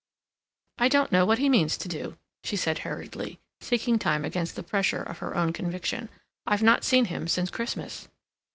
"I don't know what he means to do," she said hurriedly, seeking time against the pressure of her own conviction. "I've not seen him since Christmas."